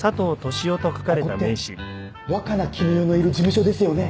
ここって若菜絹代のいる事務所ですよね？